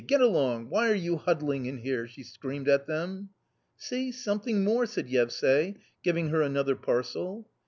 Get along ! Why are you huddling in here ?" she screamed at them. " See, something more !" said Yevsay, giving her another ^ parcel.